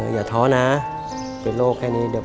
อย่าท้อนะเป็นโรคแค่นี้